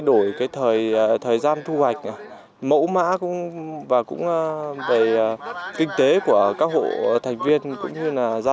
đổi cái thời gian thu hoạch mẫu mã và cũng về kinh tế của các hộ thành viên cũng như là gia